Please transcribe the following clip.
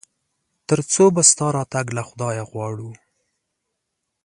تر څو به ستا راتګ له خدايه غواړو ؟